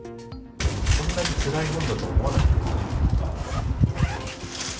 こんなにつらいもんだとは思わなくて。